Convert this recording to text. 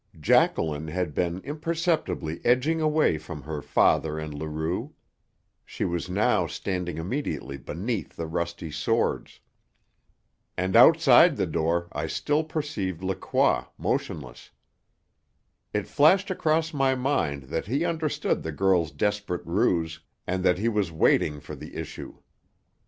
Jacqueline had been imperceptibly edging away from her father and Leroux; she was now standing immediately beneath the rusty swords. And outside the door I still perceived Lacroix, motionless. It flashed across my mind that he understood the girl's desperate ruse, and that he was waiting for the issue.